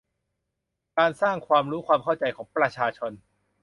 การสร้างความรู้ความเข้าใจของประชาชน